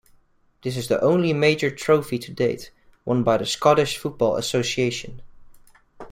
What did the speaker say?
This is the only major trophy to date, won by the Scottish Football Association.